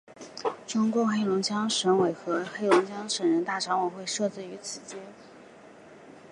中共黑龙江省委和黑龙江省人大常委会设于此街。